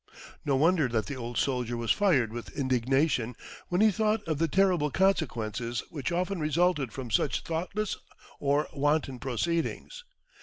No wonder that the old soldier was fired with indignation when he thought of the terrible consequences which often resulted from such thoughtless or wanton proceedings.